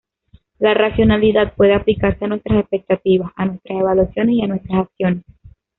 La racionalidad puede aplicarse a nuestras expectativas, a nuestras evaluaciones y a nuestras acciones.